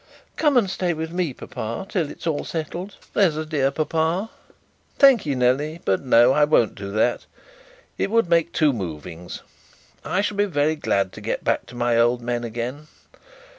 'Come and stay with me, papa, till it is settled there's a dear papa.' 'Thank ye, Nelly. But no; I won't do that. It would make two movings. I shall be very glad to get back to my old men again.